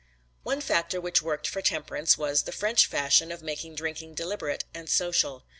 One factor which worked for temperance was the French fashion of making drinking deliberate and social.